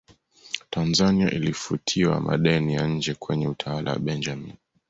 tanzania ilifutiwa madeni ya nje kwenye utawala wa benjamini